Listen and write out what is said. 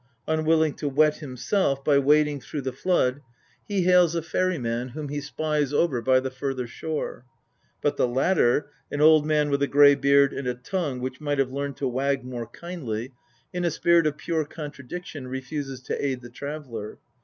Unwilling to wet himself by wading through the flood, he hails a ferry man whom he spies over by the further shore. But the latter, an old man with a grey beard and a tongue which might have learned to wag more kindly, in a spirit of pure contradiction refuses to aid the traveller.